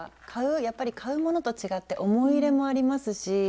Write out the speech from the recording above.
やっぱり買うものと違って思い入れもありますし